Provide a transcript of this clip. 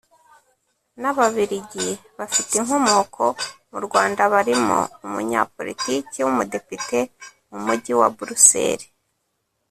n’ababiligi bafite inkomoko mu Rwanda barimo umunyapolitiki w’umudepite mu mujyi wa Bruxelles